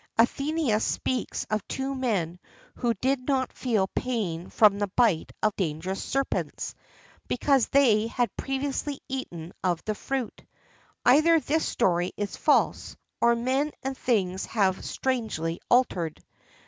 Athenæus speaks of two men who did not feel pain from the bite of dangerous serpents, because they had previously eaten of this fruit.[XIII 34] Either this story is false, or men and things have strangely altered.